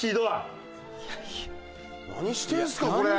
何してんすかこれ！